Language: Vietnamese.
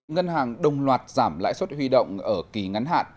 ngân hàng đồng loạt giảm lãi suất huy động ở kỳ ngắn hạn